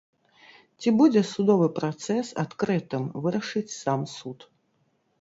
Ці будзе судовы працэс адкрытым, вырашыць сам суд.